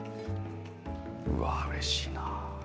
うれしいな。